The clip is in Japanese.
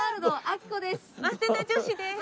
早稲田女子です。